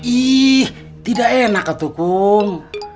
ih tidak enak atau kum